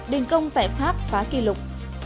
đình công tại pháp phá kỷ lục